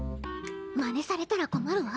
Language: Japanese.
まねされたら困るわ。